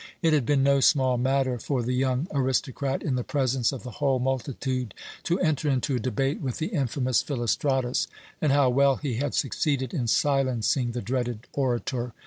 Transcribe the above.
It had been no small matter for the young aristocrat, in the presence of the whole multitude, to enter into a debate with the infamous Philostratus, and how well he had succeeded in silencing the dreaded orator!